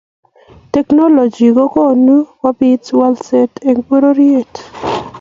teknolochy ko konye kobit walakset eng pororiet.